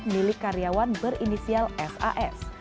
milik karyawan berinisial sas